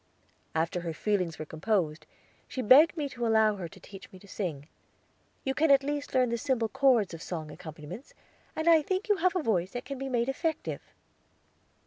After her feelings were composed, she begged me to allow her to teach me to sing. "You can at least learn the simple chords of song accompaniments, and I think you have a voice that can be made effective."